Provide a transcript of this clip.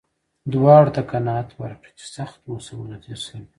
دواړو ته قناعت ورکړي چې سخت موسمونه تېر شوي.